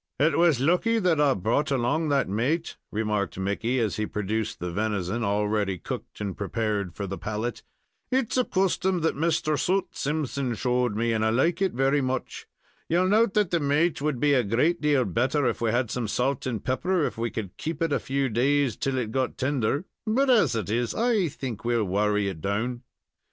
"It was lucky that I brought along that maat," remarked Mickey, as he produced the venison, already cooked and prepared for the palate. "It's a custom that Mr. Soot Simpson showed me, and I like it very much. You note that the maat would be a great deal better if we had some salt and pepper, or if we could keep it a few days till it got tender; but, as it is, I think we'll worry it down."